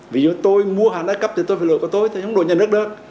ví dụ tôi mua hàng đa cấp thì tôi phải lội của tôi tôi không lội nhà nước đâu